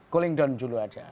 kuling down dulu saja